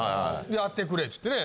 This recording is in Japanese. やってくれって言ってね